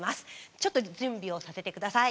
ちょっと準備をさせて下さい。